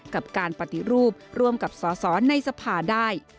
กับการปฏิรูปร่วมกับสอสอในสภาได้